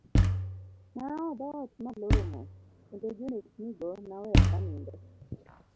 Nayawo dhoot ma aloro mos ,kendo jonek ni go naweyo kanindo.